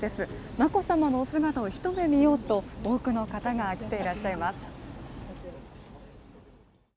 眞子さまのお姿を一目見ようと、多くの方が来ていらっしゃいます。